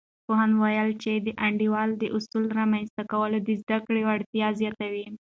پوهاند وویل، چې د انډول د اصل رامنځته کول د زده کړې وړتیا زیاتوي.